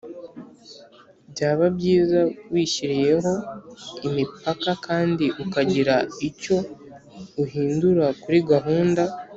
byaba byiza wishyiriyeho imipaka kandi ukagira icyo uhindura kuri gahunda